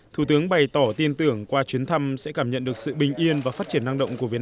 thủ tướng bày tỏ tin tưởng qua chuyến thăm sẽ cảm nhận được sự bình yên và phát triển năng động của việt nam